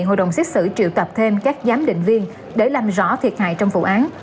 hội đồng xét xử triệu tập thêm các giám định viên để làm rõ thiệt hại trong vụ án